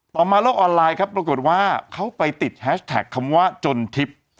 ต่อมาโลกออนไลน์ปรากฏว่าเขาไปติดแฮชแท็กคำว่าจนทิศ